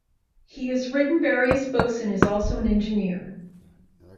He has written various books and is also an engineer.